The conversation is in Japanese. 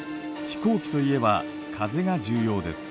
飛行機といえば風が重要です。